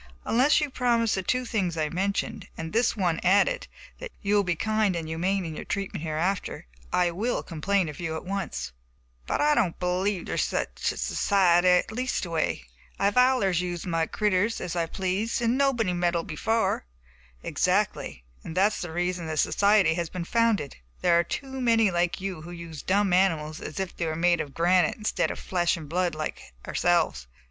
Unless you promise the two things I mentioned, and this one added, that you will be kind and humane in your treatment hereafter, I will complain of you at once." "But I don't b'lieve there is such a s'ciety; leastway, I've allers used my critters as I pleased 'nd nobody's meddled before." "Exactly, and that is the reason the society has been founded; there are too many like you who use dumb animals as if they were made of granite instead of flesh and blood like ourselves.